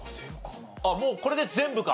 もうこれで全部か。